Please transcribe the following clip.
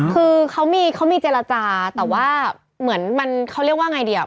คือเขามีเจรจาแต่ว่าเหมือนมันเขาเรียกว่าไงดีอ่ะ